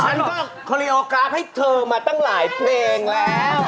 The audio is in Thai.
ฉันก็คอลีโอกราฟให้เธอมาตั้งหลายเพลงแล้ว